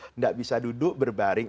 tidak bisa duduk berbaring